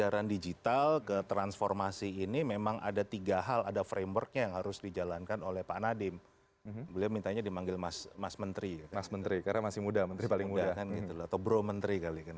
yang satu memang infrastruktur